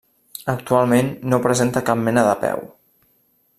Actualment no presenta cap mena de peu.